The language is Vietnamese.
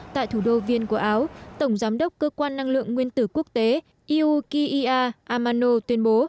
tại thủ đô viên của áo tổng giám đốc cơ quan năng lượng nguyên tử quốc tế iuukiya amano tuyên bố